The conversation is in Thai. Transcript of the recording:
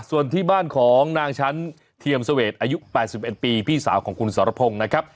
ส่วนที่บ้านของนางชั้นเทียมเสวดอายุ๘๑ปีพี่สาวของคุณสรพงศ์นะครับ